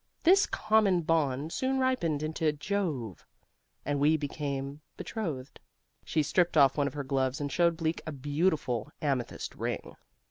This common bond soon ripened into Jove, and we became betrothed." She stripped off one of her gloves and showed Bleak a beautiful amethyst ring.